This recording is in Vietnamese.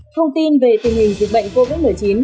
thông tin về tình hình dịch bệnh covid một mươi chín